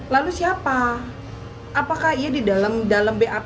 lalu siapa apakah ia di dalam bap